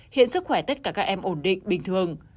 hiện sức khỏe tất cả các em ổn định bình thường